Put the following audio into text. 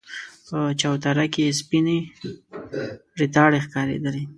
په چوتره کې سپينې ريتاړې ښکارېدلې.